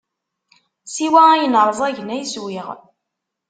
Siwa ayen ṛẓagen ay swiɣ.